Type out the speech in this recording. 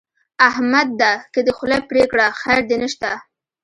احمد ده که دې خوله پرې کړه؛ خير دې نه شته.